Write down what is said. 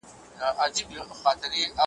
دې ویاله کي اوبه تللي سبا بیا پکښی بهېږي ,